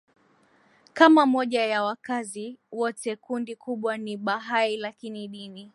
kama moja ya wakazi wote Kundi kubwa ni Bahai lakini dini